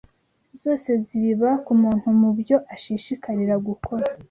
zose z’ibiba ku muntu mu byo ashishikarira gukora